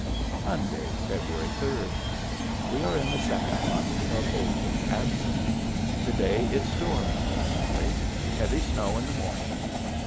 Monday, February third. We are in the second month of Olson's absence. To day it stormed mostly; heavy snow in the morning.